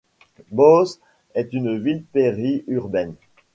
Boos est une ville péri-urbaine.